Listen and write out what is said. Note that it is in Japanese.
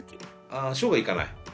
ああしょうごは行かない？